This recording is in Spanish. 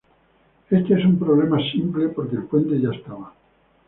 Éste es un problema simple, porque el puente ya estaba.